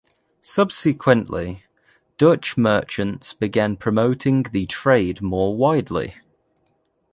Subsequently, Dutch merchants began promoting the trade more widely.